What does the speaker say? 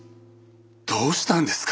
どうしたんですか？